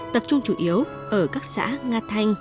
tập trung chủ yếu ở các xã nga thanh